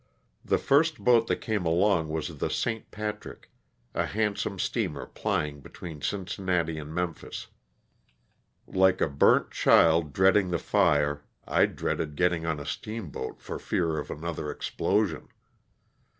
The first boat that came along was the "St. Patrick," a handsome steamer plying between Cincinnati and Memphis. Like a burnt child 252 LOSS OP THE SULTANA. dreading the fire, I dreaded getting on a steamboat for fear of another explosion.